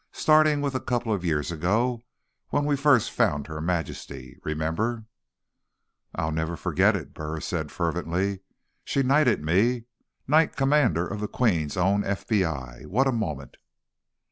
Starting with a couple of years ago, when we first found Her Majesty, remember?" "I'll never forget it," Burris said fervently. "She knighted me. Knight Commander of the Queen's Own FBI. What a moment."